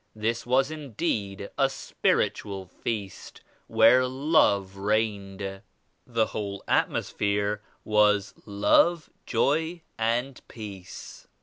This was indeed a spiritual feast where Love reigned. The whole atmosphere was Love, Joy and Peace.